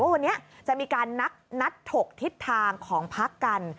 วันนี้จะมีการนัดถกทิศทางของพักกัน